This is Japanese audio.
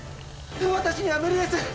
私には無理です！